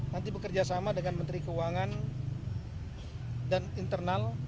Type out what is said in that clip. nanti bekerjasama dengan menteri keuangan dan internal